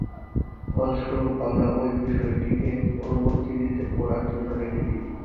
ফলস্বরূপ, আমরা ঐ বিষয়টিকে পরবর্তীতে পড়ার জন্য রেখে দিই।